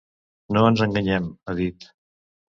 No ens enganyem, ha dit.